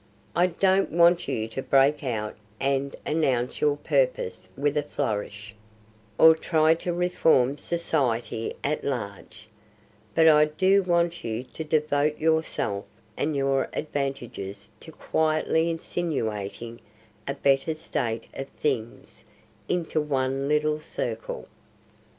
I don't want you to break out and announce your purpose with a flourish; or try to reform society at large, but I do want you to devote yourself and your advantages to quietly insinuating a better state of things into one little circle.